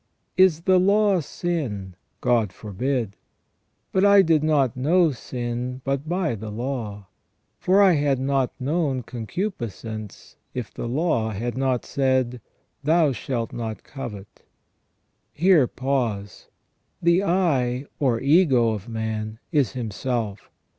" Is the law sin ? God forbid. But I did not know sin but by the law : for I had not known concupiscence, if the law had not said : Thou shalt not covet." Here pause. The I, or ego, of man is himself.